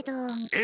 え？